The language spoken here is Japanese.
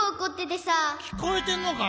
きこえてんのか！